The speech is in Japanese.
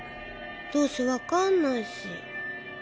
どうせ分かんないし。